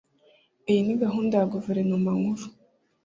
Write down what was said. iyi ni gahunda ya guverinoma nkuru